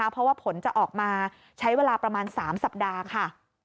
เพราะว่าผลจะออกมาใช้เวลาประมาณ๓สัปดาห์ค่ะ